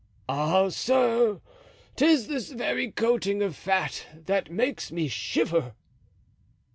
"Ah! sir, 'tis this very coating of fat that makes me shiver."